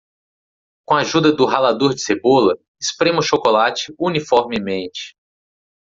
Com a ajuda do ralador de cebola, esprema o chocolate uniformemente.